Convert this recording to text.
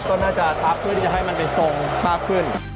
ก็น่าจะทับเพื่อที่จะให้มันไปทรงมากขึ้น